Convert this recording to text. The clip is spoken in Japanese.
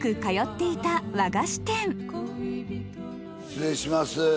失礼します。